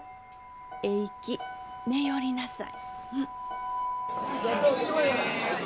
えいき寝よりなさい。